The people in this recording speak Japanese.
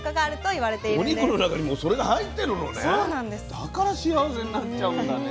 だから幸せになっちゃうんだね。